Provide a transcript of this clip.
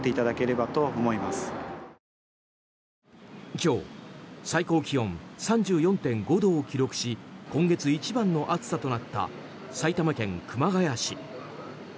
今日、最高気温３４．５度を記録し今月一番の暑さとなった埼玉県熊谷市。